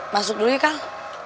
masuk dulu ya kang